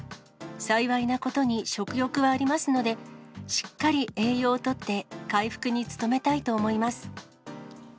幸いなことに食欲はありますので、しっかり栄養をとって、回復に努めたいと思います。